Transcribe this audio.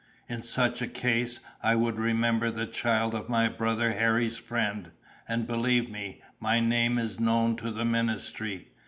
In such a case I would remember the child of my brother Harry's friend; and believe me, my name is known to the ministry.